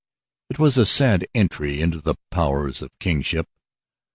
It was a sad entry into the powers of kingship.